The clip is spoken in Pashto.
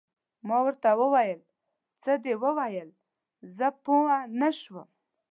ما ورته وویل: څه دې وویل؟ زه پوه نه شوم.